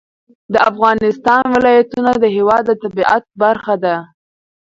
د افغانستان ولایتونه د هېواد د طبیعت برخه ده.